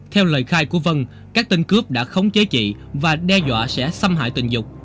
theo lời khai của vân các tên cướp đã khống chế chị và đe dọa sẽ xâm hại tình dục